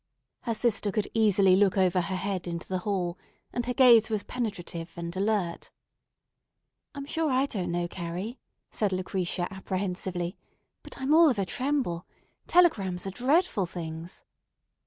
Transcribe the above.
Her sister could easily look over her head into the hall, and her gaze was penetrative and alert. "I'm sure I don't know, Carrie," said Lucretia apprehensively; "but I'm all of a tremble. Telegrams are dreadful things."